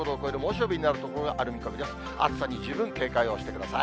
暑さに十分警戒をしてください。